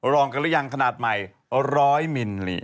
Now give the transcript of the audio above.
รองกันหรือยังขนาดใหม่๑๐๐มิลลิ